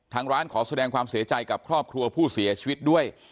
ทางร้านขอแสดงความเสียใจกับครอบครัวผู้เสียชีวิตด้วย